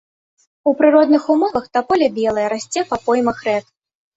У прыродных умовах таполя белая расце па поймах рэк.